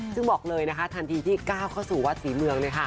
ซึ่งบอกเลยนะคะทันทีที่ก้าวเข้าสู่วัดศรีเมือง